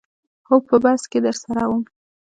هو په بس کې درسره وم.